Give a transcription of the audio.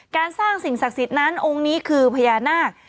การสร้างสิ่งศักดิ์สิทธิ์นั้นองค์นี้คือพญานาค